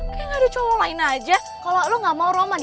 kayaknya gak ada cowok lain aja kalo lu gak mau roman